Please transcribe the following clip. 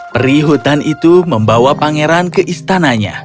peri hutan itu membawa pangeran ke istananya